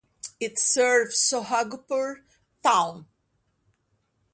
It serves Sohagpur town.